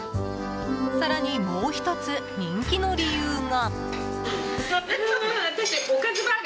更にもう１つ、人気の理由が。